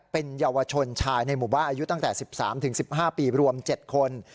เป็นเยาวชนชายในหมู่บ้านอายุตั้งแต่๑๓๑๕ปีรวม๗คน